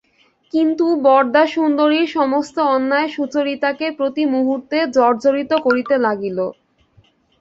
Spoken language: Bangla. কিন্তু বরদাসুন্দরীর সমস্ত অন্যায় সুচরিতাকে প্রতি মুহূর্তে জর্জরিত করিতে লাগিল।